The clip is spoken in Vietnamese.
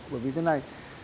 bởi vì thế này